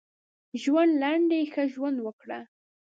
ژوند لنډ دی ښه ژوند وکړه.